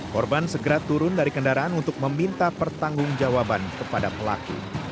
korban segera turun dari kendaraan untuk meminta pertanggung jawaban kepada pelaku